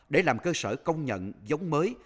để làm cơ sở công nhận giống mới